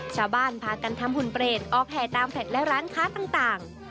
ชาวบ้านพากันทำหุ่นเปรตออกแห่ตามแพลตและร้านค้าต่าง